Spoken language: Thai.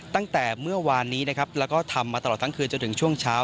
ตั้งแต่เมื่อวานนี้นะครับแล้วก็ทำมาตลอดทั้งคืนจนถึงช่วงเช้า